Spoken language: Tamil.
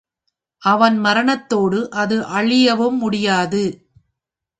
அவன் மரணத்தோடு அது அழியவும் முடியாது.